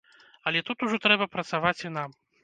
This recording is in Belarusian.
Але тут ужо трэба працаваць і нам.